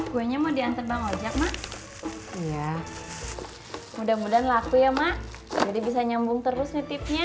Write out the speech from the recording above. gua nya mau diantar bang ojak ya mudah mudahan laku ya mak jadi bisa nyambung terus nitipnya